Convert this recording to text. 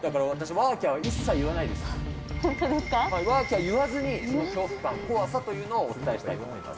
わーきゃー言わずに恐怖感、怖さというのをお伝えしたいと思います。